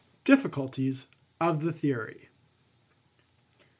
DIFFICULTIES OF THE THEORY.